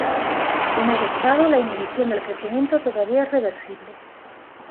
En ese estado, la inhibición del crecimiento todavía es reversible.